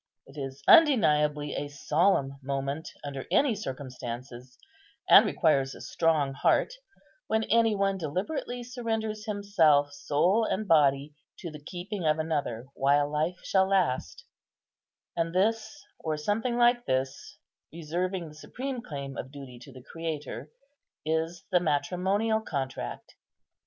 It is undeniably a solemn moment, under any circumstances, and requires a strong heart, when any one deliberately surrenders himself, soul and body, to the keeping of another while life shall last; and this, or something like this, reserving the supreme claim of duty to the Creator, is the matrimonial contract.